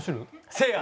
せいや。